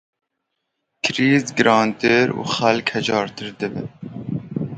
Krîz girantir û xelk hejartir dibe.